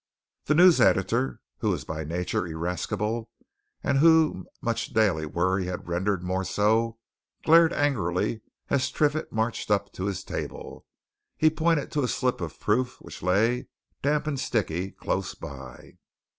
The news editor, who was by nature irascible and whom much daily worry had rendered more so, glared angrily as Triffitt marched up to his table. He pointed to a slip of proof which lay, damp and sticky, close by.